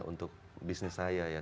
untuk bisnis saya ya